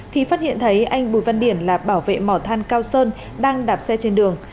thì phát hiện thấy anh bùi văn điển là bảo vệ mỏ than cao sơn đang đạp xe trên đường